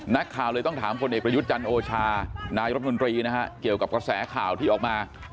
นักข่าวเลยต้องถามคนเอกประยุทธ์จันทร์โอชานายรัฐมนตรีนะฮะเกี่ยวกับกระแสข่าวที่ออกมา